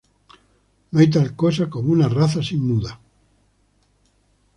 No hay tal cosa como una raza sin muda.